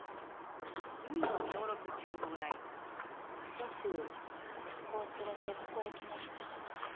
よく息子を連れてここへ来ました。